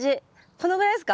このぐらいですか？